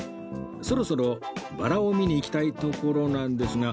そろそろバラを見に行きたいところなんですが